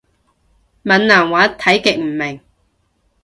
閩南話睇極唔明